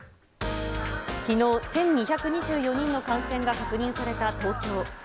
きのう、１２２４人の感染が確認された東京。